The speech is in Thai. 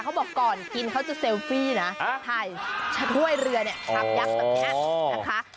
เขาบอกก่อนกินเขาจะเซลฟี่นะถ่ายถ้วยเรือเนี่ยชามยักษ์แบบนี้นะคะ